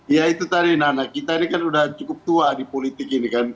ya itu tadi nana kita ini kan sudah cukup tua di politik ini kan